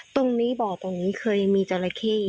ตรงนี้บ่อตรงนี้เคยมีจอละเข้อีกไหม